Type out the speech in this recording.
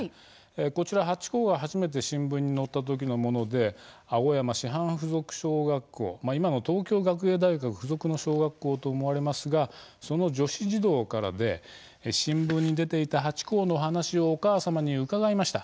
こちら、ハチ公が初めて新聞に載った時のもので青山師範附属小学校今の東京学芸大学附属の小学校と思われますがその女子児童からで新聞に出ていたハチ公のお話をお母様に伺いました。